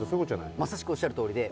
まさしくおっしゃるとおりで。